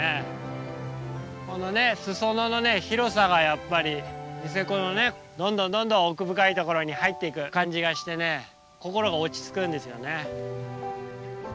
この裾野の広さがやっぱりニセコのどんどんどんどん奥深いところに入っていく感じがしてね心が落ち着くんですよね。